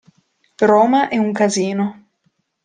Roma è un casino.